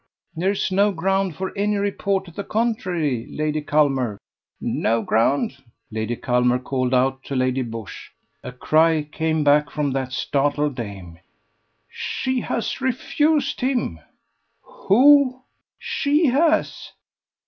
"There is no ground for any report to the contrary, Lady Culmer." "No ground!" Lady Culmer called out to Lady Busshe. A cry came back from that startled dame. "She has refused him!" "Who?" "She has."